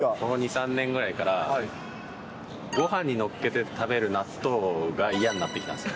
ここ２、３年ぐらいからごはんにのっけて食べる納豆が嫌になってきました。